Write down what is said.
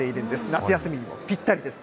夏休みにもぴったりです。